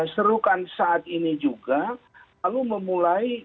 serukan saat ini juga lalu memulai